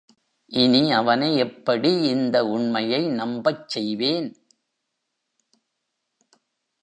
இனி அவனை எப்படி இந்த உண்மையை நம்பச் செய்வேன்?